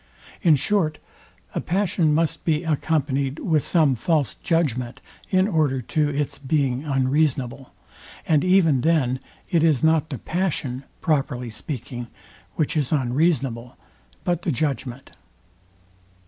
In short, a passion must be accompanyed with some false judgment in order to its being unreasonable; and even then it is not the passion, properly speaking, which is unreasonable, but the judgment.